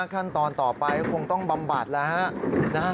ขั้นตอนต่อไปคงต้องบำบัดละค่ะ